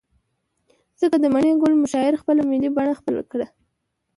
ځكه د مڼې گل مشاعرې خپله ملي بڼه خپله كړه.